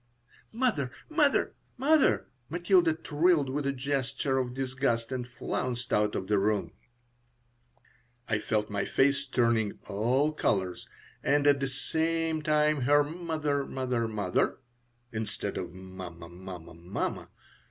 "Mother! Mother! Mother!" Matilda trilled with a gesture of disgust, and flounced out of the room I felt my face turning all colors, and at the same time her "Mother! Mother! Mother!" (instead of "Mamma! Mamma! Mamma!")